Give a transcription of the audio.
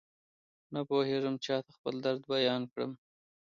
نپوهېږم چاته خپل درد بيان کړم.